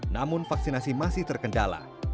namun vaksinasi masih terkendala